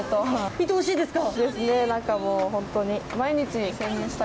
いとおしいですか？